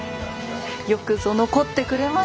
よくぞ残ってくれました。